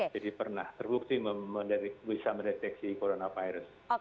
jadi pernah terbukti bisa mendeteksi coronavirus